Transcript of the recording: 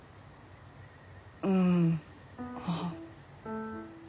うんああ。